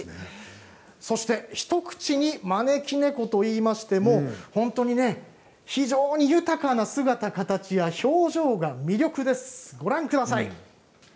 そして、一口に招き猫と言いましても本当に非常に豊かな姿形や表情が魅力です。